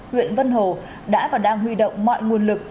huyện vân hồ đã và đang huy động mọi nguồn lực